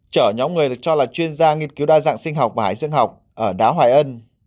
chở nhóm người được cho là chuyên gia nghiên cứu đa dạng sinh học và hải dương học ở đá hoài ân